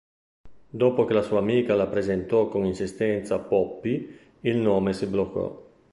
Dopo che la sua amica la presentò con insistenza "Poppy", il nome si bloccò.